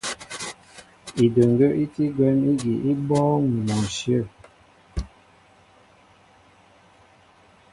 Idəŋgə́ í tí gwɛ̌m ígi í bɔ́ɔ́ŋ ni mɔ ǹshyə̂.